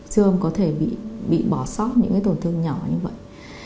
siêu âm có thể bị bỏ sót những cái tổn thương nhỏ như vậy